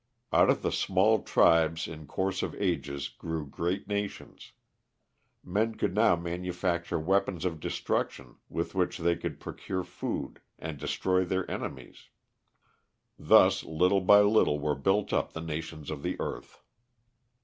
Out of small tribes in course of ages grew great nations. Men could now manufacture weapons of destruction with which they could procure food and destroy their enemies; thus little by little were built up the nations of the earth.